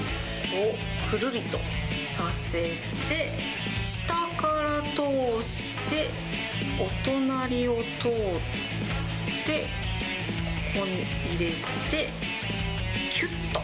おっ、くるりとさせて、下から通して、お隣を通って、ここに入れて、きゅっと。